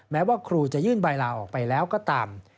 แม้ว่าครูจะยื่นใบลาออกไปแล้วก็ตาม